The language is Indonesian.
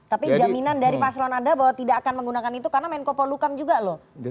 tapi jaminan dari paslon anda bahwa tidak akan menggunakan itu karena menko polukam juga loh